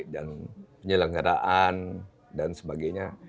dan penyelenggaraan dan sebagainya